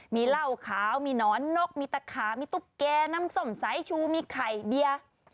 มีเหล้าขาวมีหนอนนกมีตะขามีตุ๊กแกน้ำส้มสายชูมีไข่เบียร์